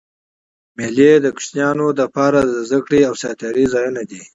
مېلې د کوچنيانو له پاره د زدهکړي او ساتېري ځایونه دي.